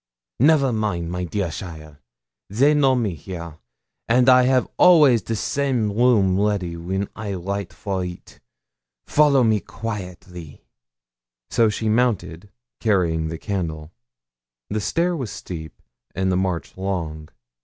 'Never mind, my dear cheaile. They know me here, and I have always the same room ready when I write for it. Follow me quaitely.' So she mounted, carrying the candle. The stair was steep, and the march long.